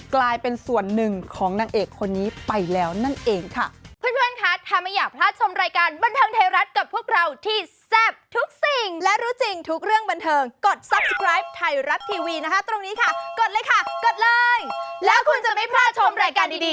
กลายเป็นส่วนหนึ่งของนางเอกคนนี้ไปแล้วนั่นเองค่ะ